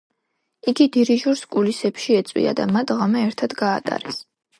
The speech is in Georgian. იგი დირიჟორს კულისებში ეწვია და მათ ღამე ერთად გაატარეს.